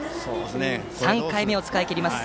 ３回目を使い切ります。